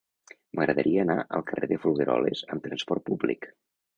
M'agradaria anar al carrer de Folgueroles amb trasport públic.